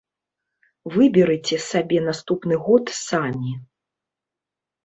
Выберыце сабе наступны год самі.